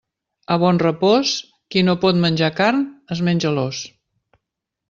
A Bonrepòs, qui no pot menjar carn es menja l'os.